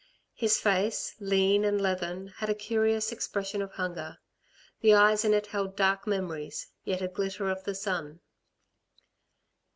His face, lean and leathern, had a curious expression of hunger. The eyes in it held dark memories, yet a glitter of the sun.